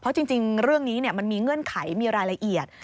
เพราะจริงเรื่องนี้มันมีเงื่อนไขมีรายละเอียด